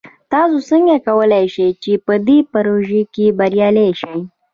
تاسو څنګه کولی شئ چې په دې پروژه کې بریالي شئ؟